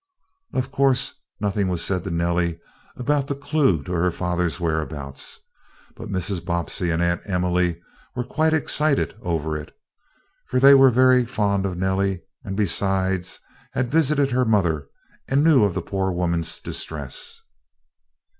Of course, nothing was said to Nellie about the clew to her father's whereabouts, but Mrs. Bobbsey and Aunt Emily were quite excited over it, for they were very fond of Nellie, and besides, had visited her mother and knew of the poor woman's distress.